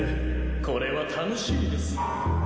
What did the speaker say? これは楽しみです。